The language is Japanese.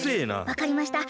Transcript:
わかりました。